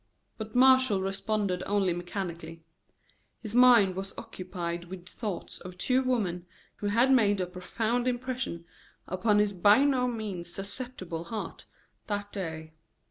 But Martial responded only mechanically. His mind was occupied with thoughts of two women who had made a profound impression upon his by no means susceptible heart that day.